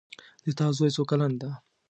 د تا زوی څو کلن ده